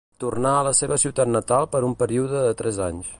Tornà a la seva ciutat natal per un període de tres anys.